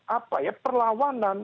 apa ya perlawanan